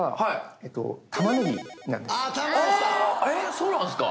そうなんすか？